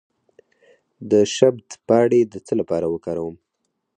د شبت پاڼې د څه لپاره وکاروم؟